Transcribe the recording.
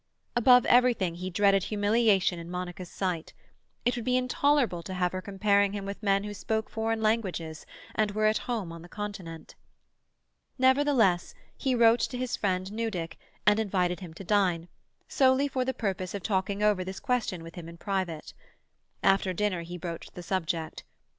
Above everything he dreaded humiliation in Monica's sight; it would be intolerable to have her comparing him with men who spoke foreign languages, and were at home on the Continent. Nevertheless, he wrote to his friend Newdick, and invited him to dine, solely for the purpose of talking over this question with him in private. After dinner he broached the subject.